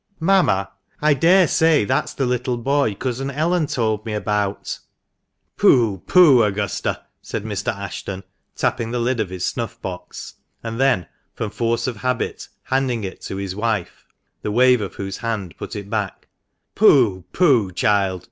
" Mamma, I daresay that's the little boy Cousin Ellen told me about," " Pooh, pooh ! Augusta," said Mr. Ashton, tapping the lid of his snuff box, and then, from force of habit, handing it to his wife, the wave of whose hand put it back — "pooh, pooh ! child.